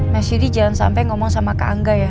mas yudi jangan sampai ngomong sama kak angga ya